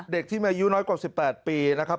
เด็กที่มีอายุน้อยกว่า๑๘ปีนะครับ